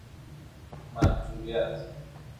محجوریت